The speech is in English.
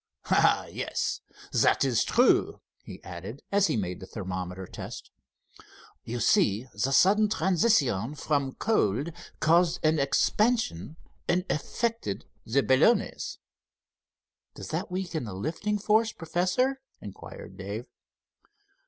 Ah, yes, that is true," he added, as he made the thermometer test. "You see, the sudden transition from cold caused an expansion and affected the balloonets." "Does that weaken the lifting force, Professor?" inquired Dave.